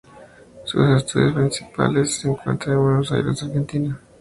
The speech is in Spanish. Sus estudios principales se encuentran en Buenos Aires, Argentina.